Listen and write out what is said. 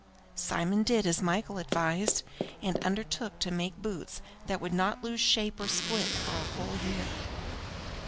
Simon did as Michael advised, and undertook to make boots that would not lose shape or split for a whole year.